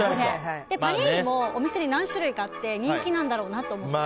パニーニも何種類かあって人気なんだろうなと思って。